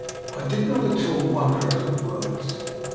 I did not at all wonder at her words.